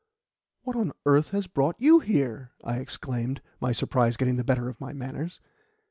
"What on earth has brought you here?" I exclaimed, my surprise getting the better of my manners.